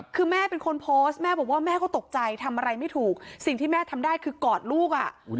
คือแม่เป็นคนโพสต์แม่บอกว่าแม่ก็ตกใจทำอะไรไม่ถูกสิ่งที่แม่ทำได้คือกอดลูกอ่ะ